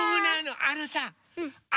あのさあ